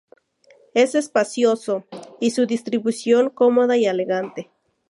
Es espacioso, y su distribución cómoda y elegante.